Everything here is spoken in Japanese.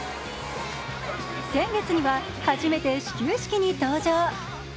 先月には初めて始球式に登場。